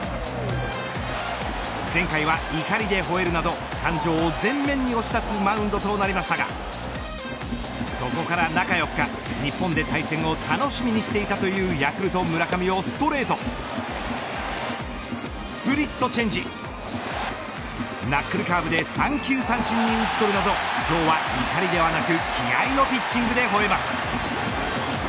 前回は２人でほえるなど感情を前面に押し出すマウンドとなりましたがそこから中４日日本で対戦を楽しみにしていたというヤクルト村上をストレートスプリットチェンジナックルカーブで３球三振に打ち取るなど今日は怒りではなく気合のピッチングでほえます。